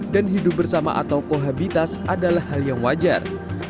dan hidup bersama atau kohabitas adalah hal yang wajar